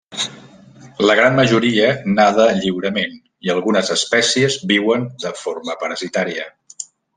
La gran majoria nada lliurement i algunes espècies viuen de forma parasitària.